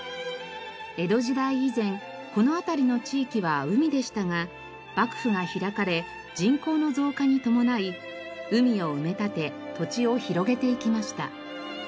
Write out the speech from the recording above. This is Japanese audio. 江戸時代以前この辺りの地域は海でしたが幕府が開かれ人口の増加に伴い海を埋め立て土地を広げていきました。